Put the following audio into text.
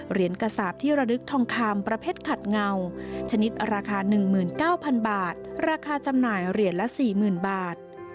กระสาปที่ระลึกทองคำประเภทขัดเงาชนิดราคา๑๙๐๐บาทราคาจำหน่ายเหรียญละ๔๐๐๐บาท